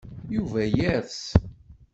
Yuba yers.